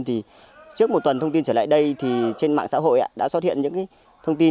trước một tuần thông tin trở lại đây trên mạng xã hội đã xuất hiện những thông tin